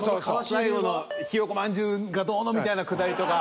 最後のひよ子まんじゅうがどうのみたいなくだりとか。